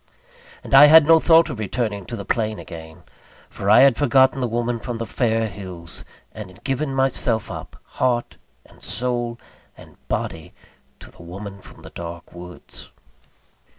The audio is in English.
And I had no thought of returning to the plain again; for I had forgotten the woman from the fair hills, and had given myself up, heart, and soul, and body, to the woman from the dark woods.